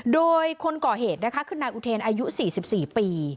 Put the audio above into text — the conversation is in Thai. โดยคนก่อเหตุนะคะคือนายอุเทนอายุ๔๔ปี